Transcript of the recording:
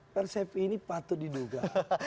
persepi ini patut diduga